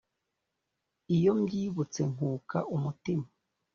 Iyombyibutse nkuka umutima